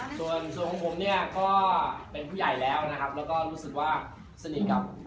ส่วนส่วนของผมเนี่ยก็เป็นผู้ใหญ่แล้วนะครับแล้วก็รู้สึกว่าสนิทกับ